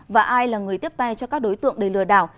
và ai là người tiếp tay cho các đối tượng để lừa đảo